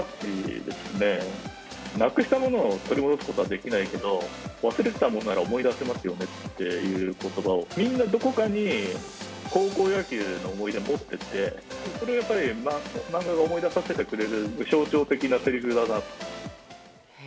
なくしたものを取り戻すことはできないけど忘れてたものなら思い出せますよねっていう言葉をみんなどこかに高校野球の思い出を持っててそれは漫画が思い出させてくれる象徴的なセリフだなと。